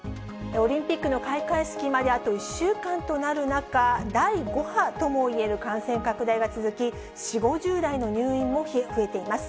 オリンピックの開会式まであと１週間となる中、第５波ともいえる感染拡大が続き、４、５０代の入院も増えています。